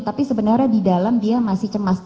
tapi sebenarnya di dalam dia masih cemas